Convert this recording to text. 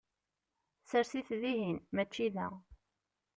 Sers-it dihin, mačči da!